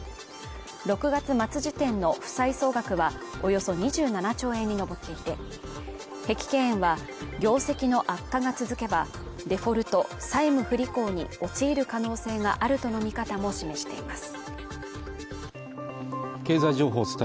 ６月末時点の負債総額はおよそ２７兆円に上っていて碧桂園は業績の悪化が続けばデフォルト＝債務不履行に陥る可能性があるとの見方も示しています